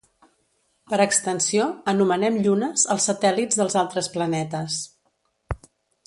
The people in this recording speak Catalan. Per extensió, anomenem llunes els satèl·lits dels altres planetes.